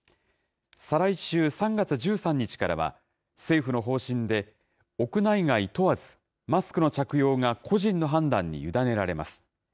再来週３月１３日からは、政府の方針で、屋内外問わず、マスクの着用が個人の判断に委ねられます。